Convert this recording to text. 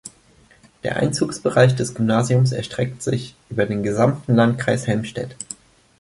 Der Einzugsbereich des Gymnasiums erstreckt sich über den gesamten Landkreis Helmstedt.